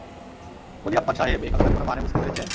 কোলিয়াপ্পান সাহেব, এই কথাটার কোনো মানে বুঝতে পেরেছেন?